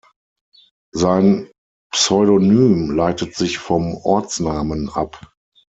Sein Pseudonym leitet sich vom Ortsnamen ab.